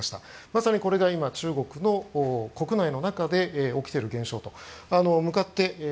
まさに、これが今中国の国内で起きている現象と。